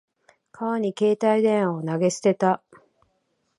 川に携帯電話を投げ捨てた。